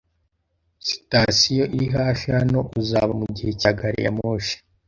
Sitasiyo iri hafi hano. Uzaba mugihe cya gari ya moshi